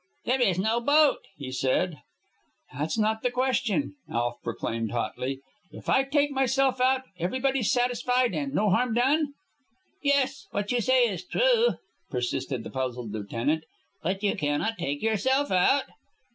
"There is no boat," he said. "That's not the question," Alf proclaimed hotly. "If I take myself out, everybody's satisfied and no harm done?" "Yes; what you say is true," persisted the puzzled lieutenant. "But you cannot take yourself out."